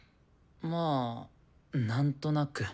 まあなんとなく。